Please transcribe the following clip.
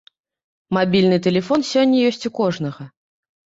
Мабільны тэлефон сёння ёсць у кожнага.